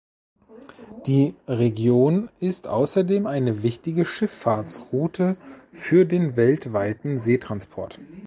Die Region ist außerdem eine wichtige Schifffahrtsroute für den weltweiten Seetransport.